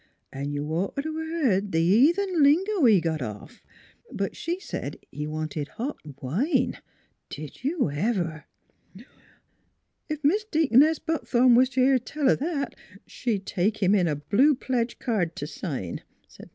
An' you'd ought t' 'a' beared the heathen lingo he got off ! But she said he wanted hot wine. Did you ever?" " Ef Mis' Deaconess Buckthorn was t' hear tell o' that she'd take him in a blue pledge card t' sign," said Ma.